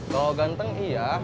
kalau ganteng iya